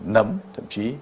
nấm thậm chí